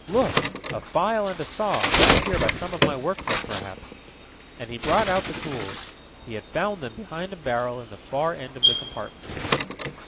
"Look, a file and a saw, left here by some of my workmen, perhaps," and he brought out the tools. He had found them behind a barrel in the far end of the compartment.